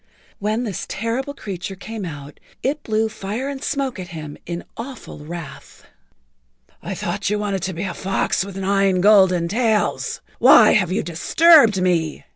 When this terrible creature[Pg 48] came out it blew fire and smoke at him in awful wrath. "I thought you wanted to be a fox with nine golden tails. Why have you disturbed me?"